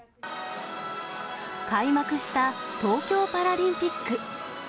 開幕した東京パラリンピック。